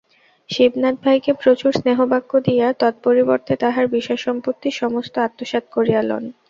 শিবনাথ ভাইকে প্রচুর স্নেহবাক্য দিয়া তৎপরিবর্তে তাঁহার বিষয়সম্পত্তি সমস্ত আত্মসাৎ করিয়া লন।